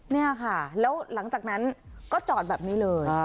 นี่ค่ะแล้วหลังจากนั้นก็จอดแบบนี้เลย